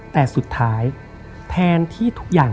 แต่สุดท้ายแทนที่ทุกอย่าง